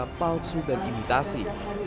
ternyata palsu dan imitasi